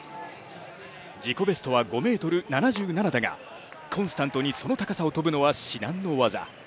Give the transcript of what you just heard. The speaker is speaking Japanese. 自己ベストは５ｍ７７だが、コンスタントにその高さを跳ぶのは至難の業。